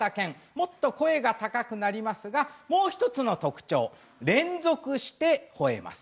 もっと声が高くなりますがもう１つの特徴連続して、ほえます。